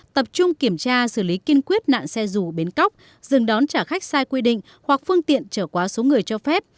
tập trung kiểm tra xử lý kiên quyết nạn xe dù bến cóc dừng đón trả khách sai quy định hoặc phương tiện trở quá số người cho phép